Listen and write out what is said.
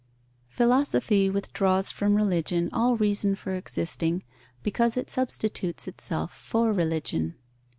_ Philosophy withdraws from religion all reason for existing, because it substitutes itself for religion.